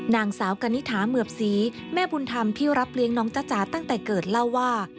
นางสาวกณิธาเหมือบศรีแม่บุญธรรมที่รับเลี้ยงน้องจ๊ะจ๋าตั้งแต่เกิดเล่าว่า